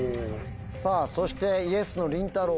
さぁそしてＹｅｓのりんたろう。